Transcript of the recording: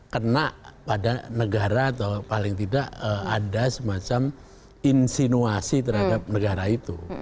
kena pada negara atau paling tidak ada semacam insinuasi terhadap negara itu